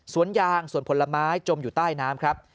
ยางสวนผลไม้จมอยู่ใต้น้ำครับ